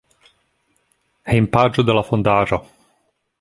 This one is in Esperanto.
Hejmpaĝo de la fondaĵo.